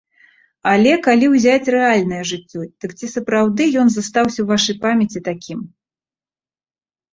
Але калі ўзяць рэальнае жыццё, дык ці сапраўды ён застаўся ў вашай памяці такім?